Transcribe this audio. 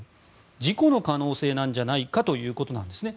事故の可能性なんじゃないかということなんですね。